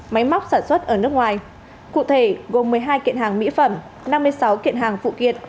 máy móc sản xuất ở nước ngoài cụ thể gồm một mươi hai kiện hàng mỹ phẩm năm mươi sáu kiện hàng phụ kiện